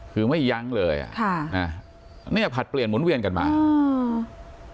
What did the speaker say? คือไม่ยั้งเลยอ่ะค่ะนะเนี้ยผลัดเปลี่ยนหมุนเวียนกันมาอืม